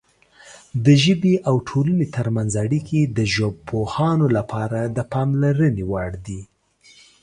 د ژبې او ټولنې ترمنځ اړیکې د ژبپوهانو لپاره د پاملرنې وړ دي.